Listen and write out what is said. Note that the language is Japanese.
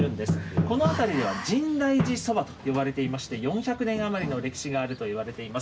この辺りでは深大寺そばと呼ばれていまして、４００年余りの歴史があるといわれています。